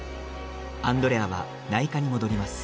アンドレアは、内科に戻ります。